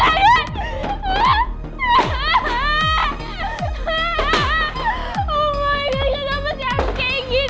oh my god kenapa si ampul kayak gini